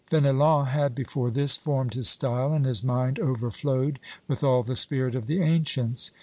Fenelon had, before this, formed his style, and his mind overflowed with all the spirit of the ancients.